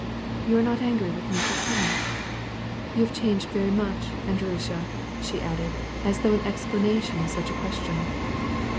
You are not angry with me for coming ? You have changed very much, Andryusha," she added, as though in explanation of such a question.